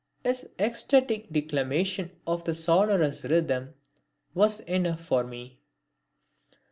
His ecstatic declamation of the sonorous rhythm was enough for me.